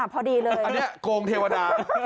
พอดีเลยอันนี้โกงเทวดา